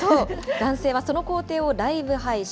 男性はその工程をライブ配信。